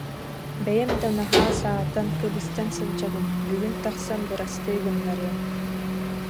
Бэйэм да наһаа саатан, кыбыстан сылдьабын, бүгүн тахсан бырастыы гыннарыам